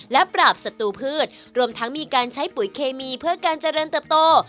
และปราบศัตรูพืชรวมทั้งมีการใช้ปุ๋ยเคมีเพื่อการเจริญเติบโต